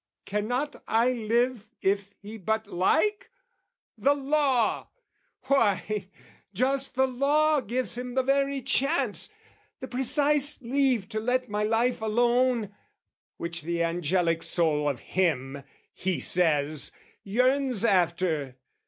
Cannot I live if he but like? 'The law!' Why, just the law gives him the very chance, The precise leave to let my life alone, Which the angelic soul of him (he says) Yearns after!